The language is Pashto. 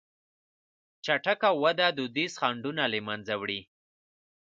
چټکه وده دودیز خنډونه له منځه وړي.